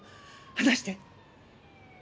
話して！